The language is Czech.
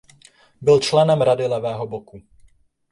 Byl členem Rady Levého bloku.